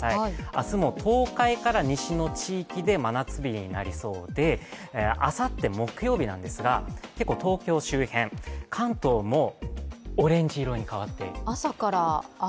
明日も東海から西の地域で真夏日になりそうであさって、木曜日なんですが結構、東京周辺、関東もオレンジ色に変わっている。